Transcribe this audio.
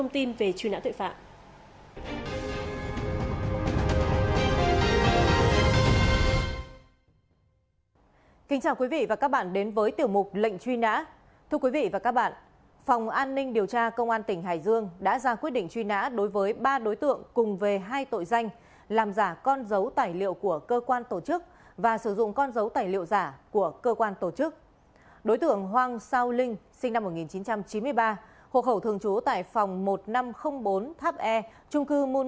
tiếp theo là những thông tin về truy nã tội phạm